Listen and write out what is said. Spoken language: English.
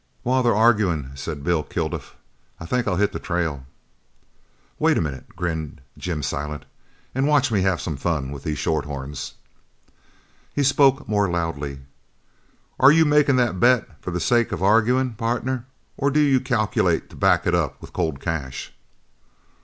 "While they're arguin'," said Bill Kilduff, "I reckon I'll hit the trail." "Wait a minute," grinned Jim Silent, "an' watch me have some fun with these short horns." He spoke more loudly: "Are you makin' that bet for the sake of arguin', partner, or do you calculate to back it up with cold cash?"